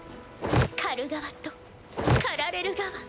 狩る側と狩られる側。